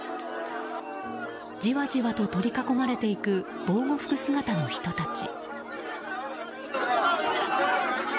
じわじわと取り囲まれていく防護服姿の人たち。